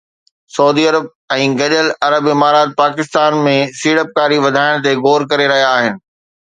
سعودي عرب ۽ گڏيل عرب امارات پاڪستان ۾ سيڙپڪاري وڌائڻ تي غور ڪري رهيا آهن